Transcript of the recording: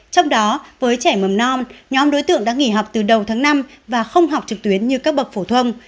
trong đó với trẻ mầm non nhóm đối tượng đã nghỉ học từ đầu tháng năm và không học trực tuyến như các bậc phổ thông